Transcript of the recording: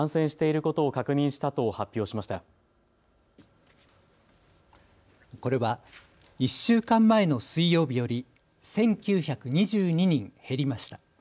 これは１週間前の水曜日より１９２２人減りました。